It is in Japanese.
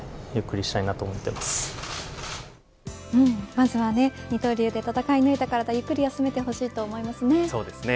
まずは、二刀流で戦い抜いた体をゆっくり休めてほしいと思いますね。